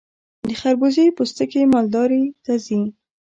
د خربوزې پوستکي مالداري ته ځي.